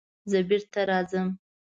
زه بېرته راځم.